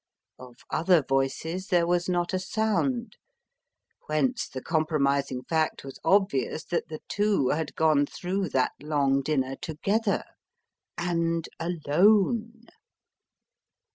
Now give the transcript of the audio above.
Of other voices there was not a sound: whence the compromising fact was obvious that the two had gone through that long dinner together, and alone!